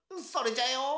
それじゃよ。